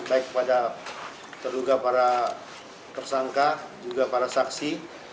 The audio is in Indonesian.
baik pada terduga para tersangka juga para saksi